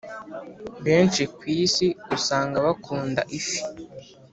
benshi ku isi usanga bakunda ifi